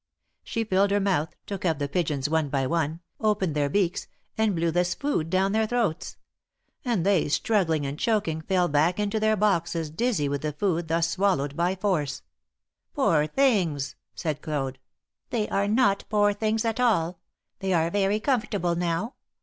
She filled her mouth, took up the pigeons one by one, opened their beaks, and blew this food down their throats ; and they, struggling and choking, fell back into their boxes dizzy with the food thus swallowed by force. THE MARKETS OF PARIS. 285 ^^Poor things!" said Claude. ''They are not poor things, at all. They are very comfortable now.